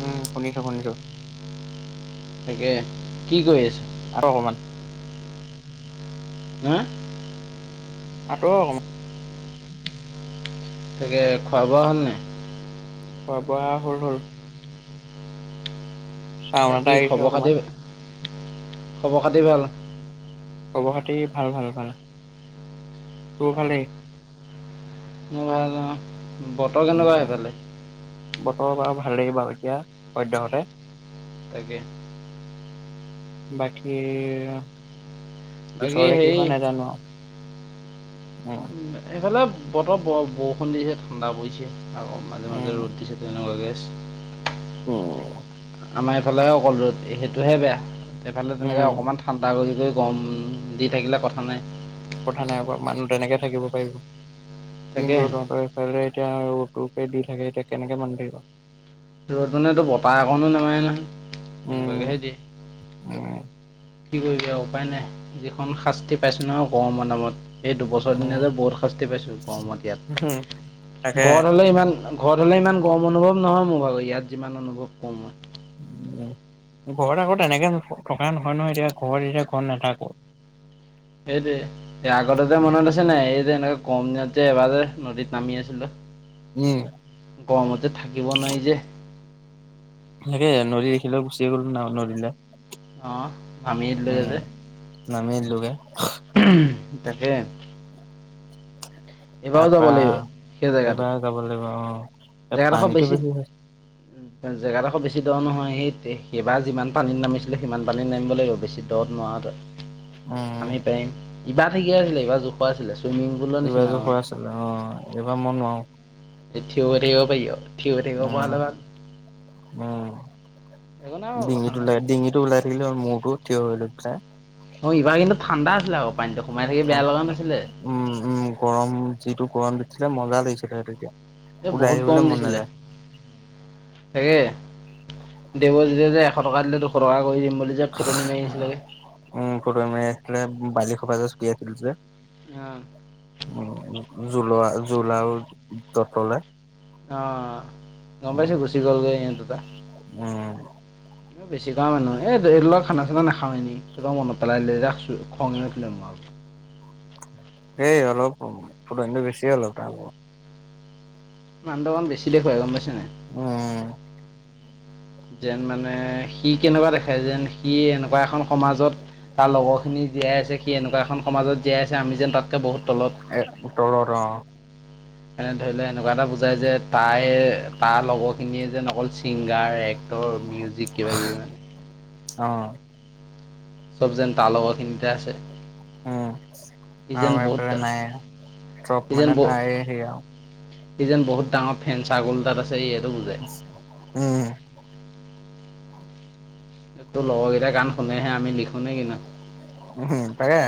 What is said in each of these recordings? উম শুনিছো শুনিছো। তাকে কি কৰি আছো। আৰু অকমাণ হা আকৌ তাকে খোৱা বোৱা হ'ল নাই। খোৱা বোৱা হল হল চাউন এটা বাকী আহিছে খবৰ অকমান খাতি, খবৰ খাতি ভাল। খবৰ খাটি ভাল ভাল ভাল ত'ফালে। মে ল বতৰ কেনেকুৱা উম সেইফালে। বতৰ বাৰু ভাল লাগিব ব আৰু এতিয়া সদ্যহতে। তাকে। বাকী বাকী চৰলে কি, হেৰি হয় নাজানো আৰু। উম এইফালে বতৰ বৰ বৰষুণ দিছে ঠাণ্ডা পৰিছে। আকৌ মাজে মাজে উম। ৰ'দ দিছে তেনেকুৱাকে উম আমাৰ এইফালেহে অকল ৰ'দ সেইটোহে বেয়া সেইফালে উম তেনেকৈ অকণমান ঠাণ্ডা কৰি কৰি গম দি থাকিলে কথা নাই কথা নাই মানুহ তেনেকে থাকিব পাৰিব তাকে কিন্তু তহঁতৰ সেইফালে এতিয়া অটো পে দি থাকে এতিয়া কেনেকে বান্ধধিব। ৰ'দ মানেতো বতাহ অকনো নামাৰে নহয় তেনেকুৱাকেহে দিয়ে। আৰু। কি কৰিবা উপায় নাই যিখন শাস্তি পাইছো নহয় গৰমৰ নামত। এই দুবছৰ দিনা উম যে বহুত শাস্তি পাইছো গৰমত উম তাকে। ইয়াত ঘৰত হ'লে ইমান ঘৰত হ'লে ইমান গৰম অনুভৱ নহয় মোৰ ভাগৰ ইয়াত যিমান অনুভৱ কৰো মই উম ঘৰত আগত তেনেকে থকা নহয় এতিয়া ঘৰত যেতিয়া ঘৰ নাথাকো সেইটোয়ে আগতে যে মনত আছে নাই এই যে কম দিনত যে এবাৰ নদীত নামি আছিলো উম। গৰমত যে থাকিব নোৱাৰি যে তাকে নদি দেখিলে গুচি গ'লো ন নদিলে অঁ নামি দিলোগে উম যে নামি দিলোগে তাকে এইবাৰো যাব তাপা লাগিব সেই জেগাটোত এইবাৰ যাব লাগিব অ এ পানীটো বেছি জেগাডোখৰ বেছি দ নহয় সেই সেইবাৰ যিমান পানীত নামিছিলে সিমান পানীত নামিব লাগিব বেছি দ ত নোৱাৰ তই উম আমি পাৰিম ইবাৰ ঠিকে আছিলে এইবাৰ জোখো আছিলে। চুইমিং পুলৰ নিচিনা যোগাযোগ হৈ মানে আছিলে অ এইবাৰ মই নোৱাৰো এঠ ৰে পয়। উম উম একো নাই বাৰু কথা ডিঙিটো নাই ওলাই ডিঙিটো ওলাই থাকিলে হল আৰু মূৰটো থিয় হৈ চায়। অ ইবাৰ কিন্তু ঠাণ্ডা আছিলে আকৌ। পানীটো সোমাই থাকি বেয়া লগা নাছিলে উম, উম গৰম যিটো গৰম দিছিলে। মজা লাগছিলে সেইটো তেতিয়া। সেই বহুত গৰম দিছিলে। সেই দেৱজ যে এশ টকা দিলে দুশ টকা কৰি দিম বুলি যে ফুতনি মাৰি আছিলগে। উম ফটো আছিলে বালি খোপা চটিয়াইছিলো যে। আহ। উম জোলোৱা জোলা আৰু ততলে। অ গম পাইছোঁ। গুচি গ'ল গে ইহঁত দুটা। উম বেছি কৰা মানুহ। এইটোৰ লগত খানা চানা নাখাও। এনে মনত পেলাই দিলি যা। খং হে উঠিলে মাৰ এই অলপ ফুটনিটো বেছি অলপ তা ভাগৰ। মানুহটো অলপ বেছি দেখুৱাই, গম পাইছ নাই? উম। যেন মানে সি কেনেকুৱা দেখাই যেন সি এনেকুৱা এখন সমাজত তাৰ লগৰখিনি জীয়াই আছে। সি এনেকুৱা এখন সমাজত জীয়াই আছে আমি যেন তাতকে বহুত তলত। এ তলত অ। এনে ধৰিলে এনেকুৱা এটা বুজায় যে তাই তাৰ লগৰখিনিয়ে যেন অকল ছিংগাৰ, এক্টৰ, মিউজিক কিবা কিবি মান অহ। চব যেন তাৰ লগত খিনিতে আছে। উম সি আৰু যেন বহুত এইফালে নাইয়ে। চব মানে তাৰে সেই আৰু। এইটো যেন বহুত ডাঙৰ ফেন ছাগল এটা আছে। ই এইটো বুজাই। উম। তাতটো লগৰ কেইটাই গান শুনেহে। আমি লি উ তাকে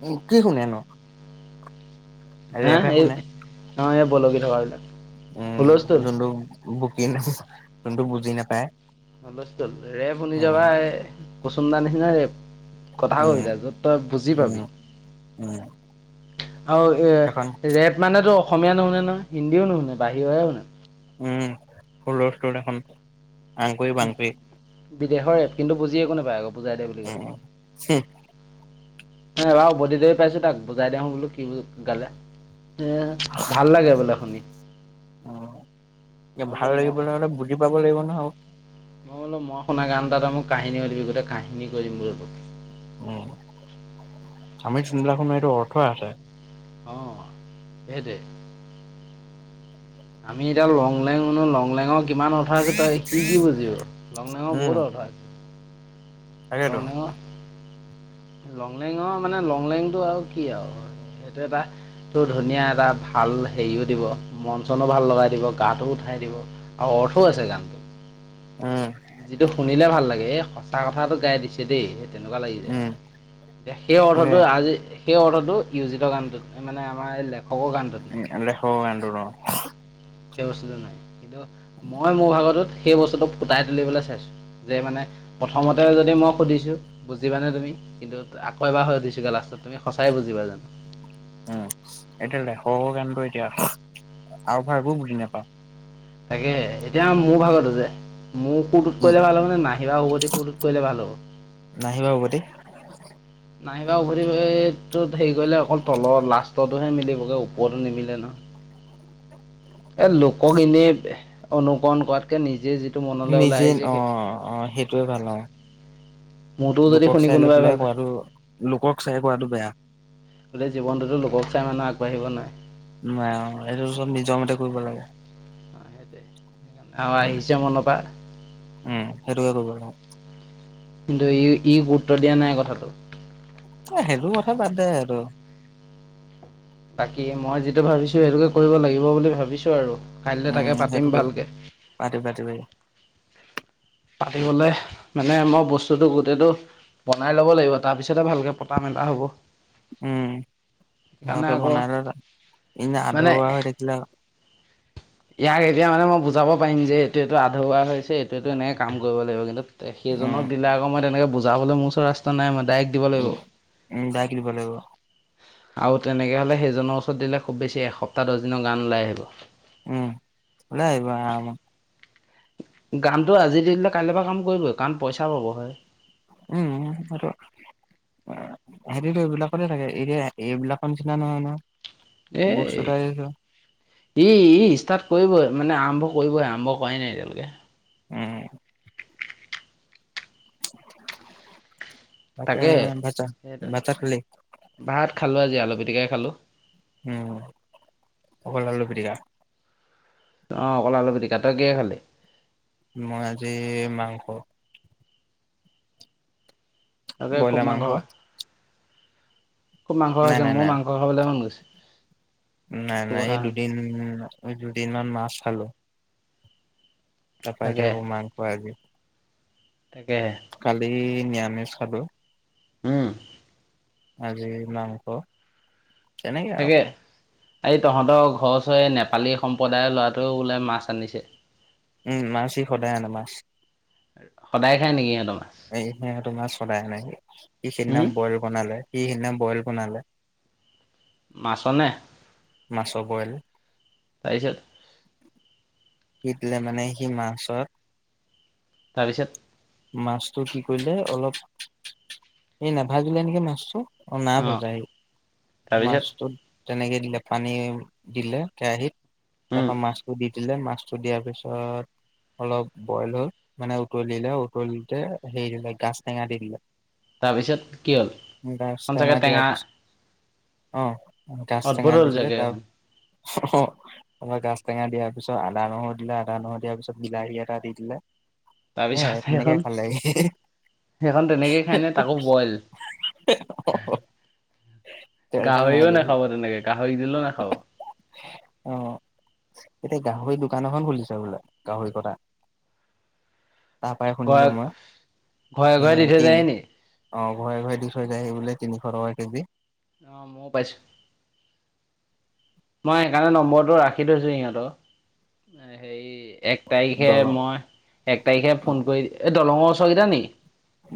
কি-কি শুনে নো? হা এই বলকি থকা বিলাক। উম যোনটো বুকি ন যোনটো বুজি নাপায় ৰেপ শুনি উম যাবা এ, কচুন্দা নিচিনা ৰেপ। কথা উম কবিতা য'ত তই বুজি উম পাবি। উম আৰু এখন এ ৰেপ মানে তোৰ অসমীয়া নুশুনে নহয়, হিন্দীও নুশুনে। বাহিৰৰহে শুনে। উম হুলস্থূল এইখন আংকুুৰি বাংকুৰি। দেহৰ কিন্তু বুজি একো নেপাই আক। উম। [unintelligible] পাইছো তাক বুজাই দেওঁ বোলো কি গালে। আহ ভাল লাগে বোলে শুনি। এ বোলো ভাল ম লাগিব হলে বুজি পাব লাগিব নহয়। মই বোলো মই শুনা গান এটা তই মোক কাহিনী দিবি। গোটেই কাহিনী কয় দিম তোক। উম সামৰিক চিনেমাখনৰ এইটো অৰ্থ আছে। অ সেইটোৱে। আমি এতিয়া লংলেং শুনো লং লঙক। কিমান অৰ্থ আছে তই সি কি বুজি [unintelligible] উম বহুত অৰ্থ আছে। তাকেতো [unintelligible] লংলেঙৰ মানে লংলেংটো আৰু কি আৰু এইটো এটা তাতকো ধুনীয়া এটা ভাল হেৰিও দিব। মন চনো ভাল লগাই দিব গাটো উঠাই দিব। আৰু অৰ্থও আছে গানটোৰ উম। যিটো শুনিলে ভাল লাগে। এই সঁচা কথাটো গাই দিছে দেই। তেনেকুৱা লাগি যায় উম মানে। সেই তাকে অৰ্থটো আজি সেই অৰ্ডাটো ইয়োজিত গানটোত। মানে আমাৰ লেপ [unintelligible] সেই বস্তুটো নাই কিন্তু মই মোৰ ভাগৰটোত সেই বস্তুটো ফুটাই তুলিবলৈ চাইছোঁ যে, মানে- প্ৰথমতে যদি মই সুধিছোঁ বুজিবানে তুমি? কিন্তু আকৌ এবাৰ হৈ সুধিছোগে লাষ্টত তুমি সঁচাই বুজিবা জানো? [unintelligible] আও ভাও একো বুজি নাপাওঁ। তাকে এতিয়া মোৰ ভাগতো যে মোৰ সুৰটোত উম কৰিলে ভাল হ'ব নে? নাহিবা উভতি সুৰটোত কৰিলে ভাল হব? নাহিবা [unintelligible] নাহিবা উভতিটোত হেৰি কৰিলে অকল তলৰ লাষ্টৰটোহে মিলিবগৈ ওপৰতো নিমিলে ন? এনেই অনুকৰণ কৰাতকে নিজে যে নিজে, অ অ সেইটোৱে ভাল অ। মোৰতো যদি লোকক শুনি চাই লৈ কোনোবাই ভাল পেলাই পায় কৰাটো, লোকক চাই কৰাটো বেয়া। গোটেই জীৱনটোতো লোকক চাই মানুহ আগবাঢ়িব নোৱাৰে। নাই, এইটো চব নিজৰমতে কৰিব লাগে। অ' সেইটোৱে। আৰু আহিছে মনৰপা উম, সেইটোকে কৰিব কিন্তু, ই ই গুৰুত্ব দিয়া নাই কথাটো। অ সেটো কথা বাদদে আৰু। বাকী মই যিটো ভাবিছো সেইটোকে কৰিব লাগিব বুলি ভাবিছো আৰু। কাইলৈ উম তাকে পাতিম সেইটোকে ভালকে। পাতি পাতি পাতি পাতিবলে, মানে মোক বস্তুতটো গোটেইটো বনাই ল'ব লাগিব, তাৰ পিছতহে ভালকে পতা মেলা হ'ব। উম, সেইকাৰণে [unintelligible] আকৌ বনাই লই এনে মানে আধৰুৱা হৈ থাকিলে [inaudible] ইয়াক এতিয়া মানে মই বুজাব পাৰিম যে এইটো এইটো আধৰুৱা হৈছে এইটো এইটো এনেকে কাম কৰিব লাগিব। কিন্তু তে সেইজনক উম দিলে আকৌ মই তেনেকে বুজাবলৈ মোৰ ওচৰত ৰাস্তা নাই মানে। উ উম [unintelligible] লাগিব। আৰু তেনেকে হলে সেইজনৰ ওচৰত দিলে খুব বেছি, এসপ্তাহ- দছ দিনৰ গান ওলাই আহিব। উম, লৈ আহিব গানটো আজি দি দিলে কাইলৈ পৰা কাম কৰিবই। কাৰণ পইচা পাব হয়। উম, সেইটো সেহতি তো এইবিলাকতে থাকে। এতিয়া এইবিলাকৰ নিচিনা নহয় নহয়। এ, ই- ই ষ্টাৰ্ট কৰিবই, মানে আৰম্ভ কৰিবই আৰম্ভ উপাই নাই এতিয়ালৈকে। উম। তাকে হে। ভাত সেইটো চাত খালি? ভাত খালো আজি আলু পিটিকাই খালো উম, অকল আলু পিটিকা? অ, অকল আলু পিটিকা। তই কিহে খালি? মই আজি মাংস। তাকে খুব ব্ৰইলাৰ মাংস। খা খুব মাংস নাই খাইছে। নাই মোৰ নাই মাংস খাবলৈ মন গৈছে। নাই তোৰ নাই। কথা এই শুনি দুদিন -দুদিনমান মাছ খালো। তাৰপৰা তাকে এতিয়া আকৌ মাংস আজি। তাকেহে কালি নিৰামিচ খালো। হম। আজি মাংস, তেনেকে আও। তাকে এই তহঁতৰ ঘৰৰ ওচৰে নেপালী সম্প্ৰদায়ৰ ল'ৰাটো বোলে মাছ আনিছে। উম, মাছ ই সদায় আনে মাছ। সদায় খাই নেকি সিহতৰ? এই সি তোমাৰ চদায় নাই সি সিদিনা হুম বইল বনালে সি সিদিনা বইল। [unintelligible] মাছনে মাছ বইল। তাৰপিছত শিটিলে মানে সি মাছত, তাৰপিছত মাছটো সি কৰিলে অলপ এই নাভাজিলে নেকি মাছটো। অঁ নাই অ ভজা তাৰপিছত মাছটোত। তেনেকে দিলে পানী দিলে কেৰাহিত তাৰ উম পৰা মাছো দি দিলে মাছ! দিয়াৰ পিছত অলপ বইল হৈল মানে উতলিলে, উতলিতে হেৰি দিলে গাজ টেঙা দি দিলে তাৰপিছত কি হ'ল গাছ এখন চাগে টেঙা দিয়াৰ পিছত। অঁ গাছ টেঙা অদ্ভুত হ'ল দিছিলে চাগে তাৰ, এখন অঁ গাছ টেঙা দিয়াৰ পিছত আদা নহৰু দিলে আদা নহৰু দিয়াৰ পিছত বিলাহী এটা দি দিলে হে তাৰপিছত তেনেকে সেইখন ক'লে হেহে! সেইখন তেনেকেই খাই নে? তাকো বই গাহৰিওঁ নাখাব তেনেকে গাহৰি দিল না খাব [inaudible] এই গাহৰি দোকান এখন খুলিছে বোলে গাহৰি কটা। তাৰ পৰাই ঘৰে শুনিলো মই ঘৰে ঘৰে দি এ থৈ তিন। যায় নি অঁ ঘৰে ঘৰে দি থৈ যায়। সেই বোলে তিনিশ টকা কেজি অঁ মই পাইছোঁ। মই সেইকাৰণে নম্বৰটো ৰাখি থৈছো সিহঁতৰ হেৰি এক তাৰিখে দলং মই এক তাৰিখে অ ফোন কৰি এই দলঙৰ ওচৰ কেইটা নেকি!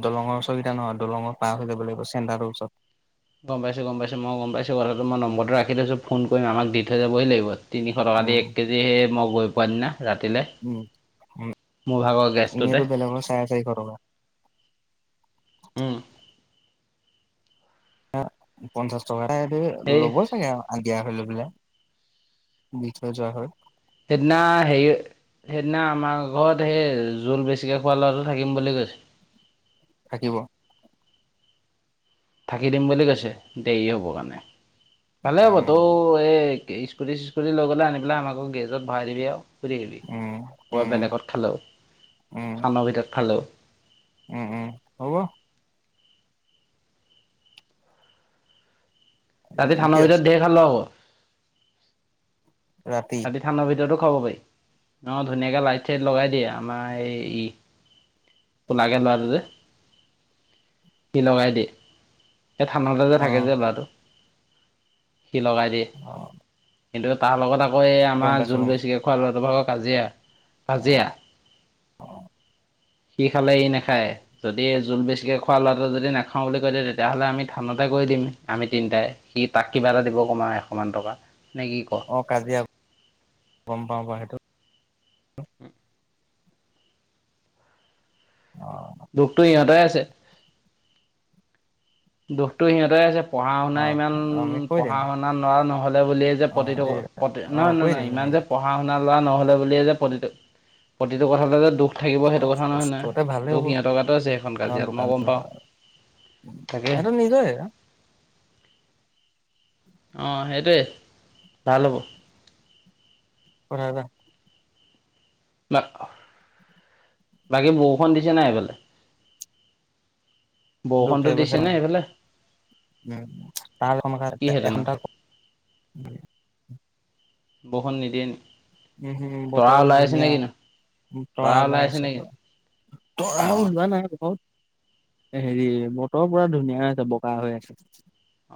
দলঙৰ ওচৰকেইটা নহয় দলঙৰ পাৰ হৈ যাব লাগিব চেণ্টাটোৰ ওচৰত। গম পাইছো, গম পাইছো, মই গম পাইছো, কথাটো মই নম্বৰটো ৰাখি থৈছো ফোন কৰিম আমাক দি থৈ যাবহি লাগিব। তিনিশ টকা দি এক কেজি হে মই গৈ পোৱাৰ দিনা। ৰাতিলে উ মোৰ ভাগৰ গেছটোতে এনেতো বেলেগৰ চাৰে চাৰিশ টকা। উম [unintelligible] পঞ্চাশ টকা সেই ল'ব চাগে আৰু আ দিয়া হ [inaudible] দি থৈ যোৱা হয়। সেইদিনা হেই সেইদিনা আমাৰ ঘৰত সেই জোল বেছিকে খোৱা ল'ৰাটো থাকিম বুলি কৈছে থাকিব। থাকি দিম বুলি কৈছে। দেৰি হ'ব কাৰণে ভালে হ'ব তো উম এই। স্কুটি চিচস্কুটি লৈ গ'লে আনি পেলাই আমাৰ ঘৰৰ গেজত ভৰাই দিবি আওঁ সুধি আহিবি উম উম গৈপিনে ক'ত খালো, উম ফানৰ ভিতৰত খালো। উম উম হ'ব। আজি কি থানৰ আছে ভিতৰত ধেৰ খালোঁ আকৌ ৰাতি, ঠাণ্ডা খাব পাৰি ন ধুনীয়াকে লাইট, চাইট লগাই দিয়ে আমাৰ এই ই পলাগে লৰাটো যে সি লগাই দিয়। সেই থানাতে যে অ থাকে যে লৰাটো। সি লগাই দিয়ে কিন্তু তাৰ লগত আকৌ এই গম আমাৰ পাইছো জোল গম পাইছো বেছিকৈ খোৱা লৱাটো ভাগৰ। কাজিয়া, কাজিয়া। সি খালে ই নাখায় যদি জোল বেছিকে খোৱা লৰাটো যদি নাখাওঁ বুলি কৈ দিয়ে তেতিয়াহ'লে আমি থানত। তে কৰি দিম আমি তিনিটাই সি তাক কিবা এটা দিব কমা এশ মান টকা নে কি কওঁ অ কাজিয়া গম পাওঁ ব সেইটোৱেই। উ [unintelligible] অঁ দুখটো ইহঁতৰে আছে। দুখটো সিহঁতহে আছে। পঢ়া-শুনা অ ইমান, আমি কৈ দিম পঢ়া-শুনা ল'ৰা নহ'লে বুলিয়েই যে অ প্ৰতিটো, দে প্ৰতি অ নহয় নহয়। কৰি নহয় দিম ইমান তেনেকে পঢ়া-শুনা ল'ৰা ন'হলে বুলিয়ে যে প্ৰতিটো প্ৰতিটো কথাতে যে দুখ থাকিব সেইটো কথা নহয় নহয়। ওচৰতে ভালে দুখ হ'ব সিহঁতৰ গাতো আছে সেইখন কাজিয়াত, মই গম পাওঁ। তাকে ইহঁতৰ নিজৰেই। অ' সেইটোৱে ভাল হ'ব। কথাটা বা বাকী বৰষুণ দিছে নাই সেইফালে? দুখ বৰষুণটো থাকিব সেই দিছে নে সেইফালে? উম, তাৰ কিহেতু নো [unintelligible] বৰষুণ নিদিয়ে নি? উম হুম, তৰা বতৰ ওলাই আছে নে ধুনীয়া কিনো তৰা ওলাই আছে পুৰা। তৰা অ ওলোৱা নাই, [unintelligible] হেৰি, বতৰ পুৰা ধুনীয়া হৈ আছে। বগা হৈ আছে।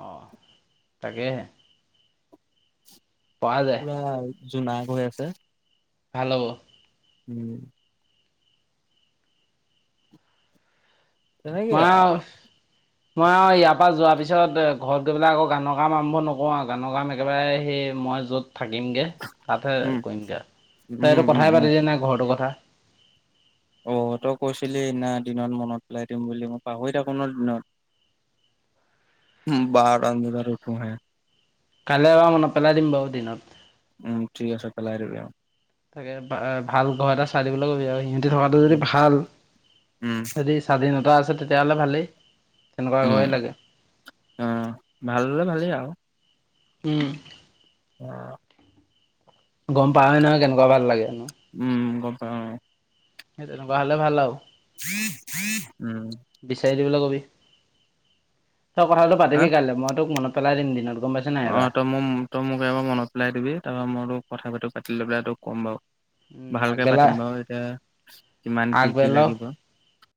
অ তাকেহে। পৰা যায় পুৰা জোনাক হৈ আছে। ভাল হ'ব। উম। তেনেকে আও। মই আৰু ইয়াৰ পৰা যোৱাৰ পিছত ঘৰত গৈ পেলাই আকৌ গানৰ কাম আৰম্ভ নকৰো আৰু! গানৰ কাম একেবাৰে সেই মই য'ত থাকিমগে! তাতহে উম কৰিমগে আও, তই উম এইটো উম কথাই উম পাতি দিয়া নাই, ঘৰটোৰ কথা। অ' তই কৈছিলি সেইদিনা দিনত মনত পেলাই দিম বুলি, মই পাহৰি থাকো নহয় দিনত। বাৰটামান বজাত উঠোহে। কাইলৈ এবাৰ মনত পেলাই দিম বাও দিনত। উম ঠিক আছে, পেলাই দিবি। তাকে, ভাল ঘৰ এটা চাই দিবলৈ ক'বি আৰু সি তি থকাটো যদি উম ভাল, উম যদি স্বাধীনতা আছে তেতিয়াহ'লে ভালেই। তেনেকুৱা উ। ঘৰে লাগে অ' ভাল হ'লে ভালেই আৰু। হুম। [inaudible] গম পাৱে নহয় কেনেকুৱা ভাল লাগে? উম গম পাওঁ। সেই তেনেকুৱা হ'লে ভাল আও। উম। বিচাৰি দিবলৈ কবি তই কথাটো হা পাতিবি কাইলে। মই তোক মনত পেলাই দিম দিনত। গম পাইছ নাই এবাৰ অ' তই মোক তই মোক এবাৰ মনত পেলাই দিবি, তাৰপৰা মই তোক কথা পাতি লৈ পেলাই তোক ক'ম বাৰু! উম, ভালকে আগবেলা পাতিম বাৰু। এতিয়া কিমান কি কি আগবেলাও লাগিব।